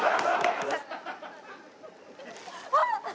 あっ！